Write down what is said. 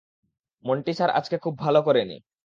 Monty sir আজকে খুব ভাল করেনি।